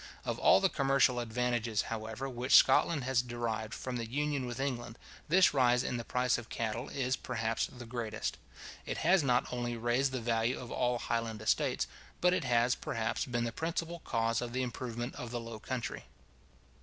Of all the commercial advantages, however, which Scotland has derived from the Union with England, this rise in the price of cattle is, perhaps, the greatest. It has not only raised the value of all highland estates, but it has, perhaps, been the principal cause of the improvement of the low country.